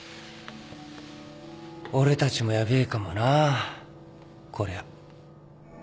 俺たちもヤベえかもなこりゃ。